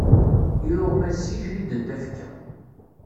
Iluɣma ssiǧhiden tafekka.